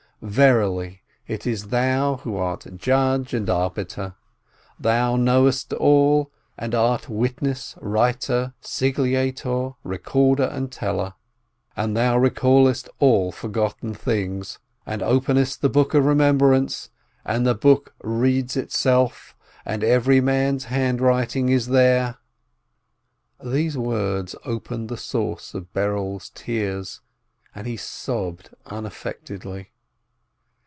Verily, it is Thou who art judge and arbitrator, Who knowest all, and art witness, writer, sigillator, re corder and teller; And Thou recallest all forgotten things, And openest the Book of Remembrance, and the book reads itself, And every man's handwriting is there ..." These words opened the source of Berel's tears, and he sobbed unaffectedly.